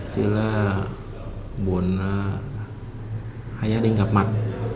chưa là buồn hai gia đình gặp mặt